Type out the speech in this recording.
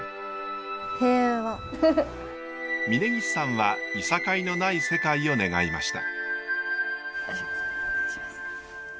峯岸さんはいさかいのない世界を願いました。